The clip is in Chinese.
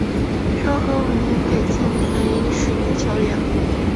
昭和五年改建为水泥桥梁。